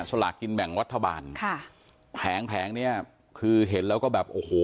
สลากกินแบ่งรัฐบาลค่ะแผงแผงเนี้ยคือเห็นแล้วก็แบบโอ้โห